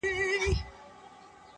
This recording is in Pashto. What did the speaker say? د هر چا په لاس کي خپله عریضه وه!!